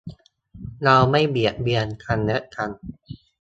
เราไม่เบียดเบียนกันและกัน~